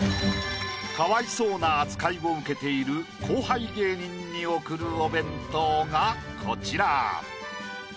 かわいそうな扱いを受けている後輩芸人に送るお弁当がこちら。